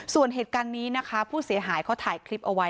ส่วนเหตุการณ์นี้นะคะผู้เสียหายเขาถ่ายคลิปเอาไว้